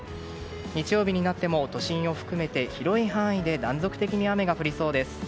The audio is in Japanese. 日曜日になっても都心を含めて広い範囲で断続的に雨が降りそうです。